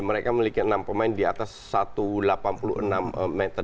mereka memiliki enam pemain di atas satu ratus delapan puluh enam meter